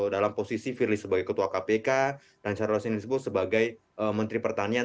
dalam posisi firly sebagai ketua kpk dan charles nisbo sebagai menteri pertanian